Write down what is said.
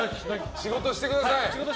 仕事してください。